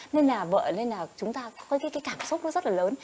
nên là vợ nên là chúng ta có cái cảm xúc nó rất là lớn